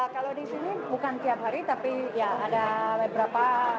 kalau di sini bukan tiap hari tapi ya ada beberapa